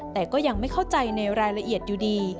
แต่ก็ยังไม่เข้าใจในรายละเอียดอยู่ดี